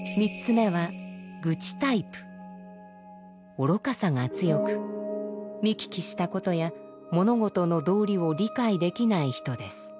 愚かさが強く見聞きしたことや物事の道理を理解できない人です。